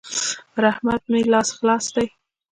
پر احمد مې لاس خلاص دی.